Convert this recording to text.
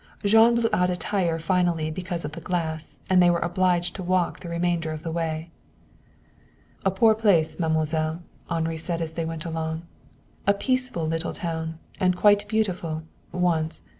Jean blew out a tire finally, because of the glass, and they were obliged to walk the remainder of the way. "A poor place, mademoiselle," Henri said as they went along. "A peaceful little town, and quite beautiful, once.